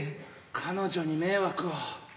彼女に迷惑を。